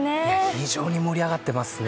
非常に盛り上がってますね。